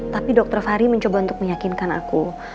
tapi dokter fahri mencoba untuk meyakinkan aku